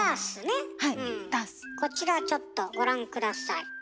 こちらちょっとご覧下さい。